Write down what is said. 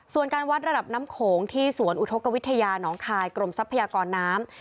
ส่วนการวัดระดับน้ำโขงที่สวนอุทธกวิทยาน้องคายกรมทรัพยากรน้ำ